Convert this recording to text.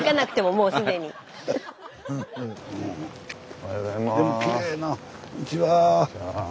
おはようございます。